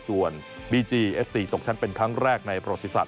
ส่วนเอฟซีตกชั้นเป็นครั้งแรกในโปรติศาสตร์